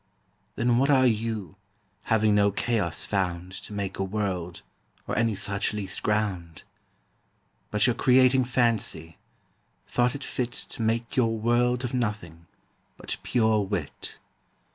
Then what are You, having no Chaos found To make a World, or any such least ground? But your Creating Fancy, thought it fit To make your World of Nothing, but pure Wit.